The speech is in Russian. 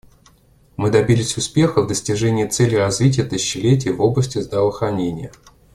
Мы добились успеха в достижении Целей развития тысячелетия в области здравоохранения.